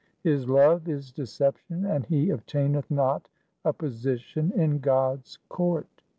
His love is deception and he obtaineth not a position in God's court.